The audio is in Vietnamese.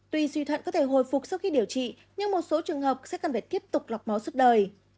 tuy suy thận có thể hồi phục sau khi điều trị nhưng một số trường hợp sẽ cần phải tiếp tục lọc máu suốt đời